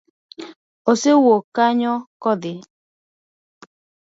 Osewuok kanyo kodhi?